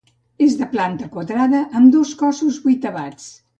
És de planta quadrada amb dos cossos vuitavats.